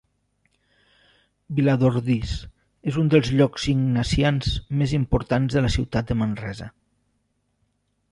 Viladordis és un dels llocs ignasians més importants de la ciutat de Manresa.